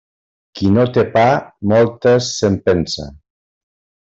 Qui no té pa, moltes se'n pensa.